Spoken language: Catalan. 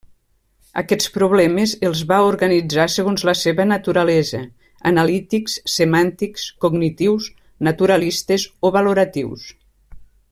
Aquests problemes els va organitzar segons la seva naturalesa: analítics, semàntics, cognitius, naturalistes o valoratius.